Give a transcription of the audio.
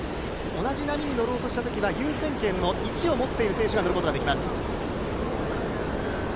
同じ波に乗ろうとした時は優先権の位置を持っている選手が乗ることができます。